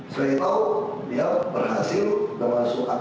saya ingin mengatakan kenal dengan arief kemal budaya ya